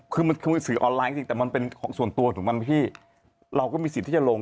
คือมันคือสื่อออนไลน์จริงแต่มันเป็นของส่วนตัวถูกไหมพี่เราก็มีสิทธิ์ที่จะลง